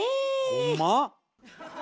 ほんま？